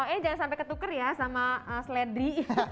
eh jangan sampai ketuker ya sama seledri